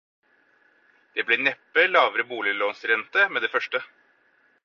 Det blir neppe lavere boliglånsrenter med det første.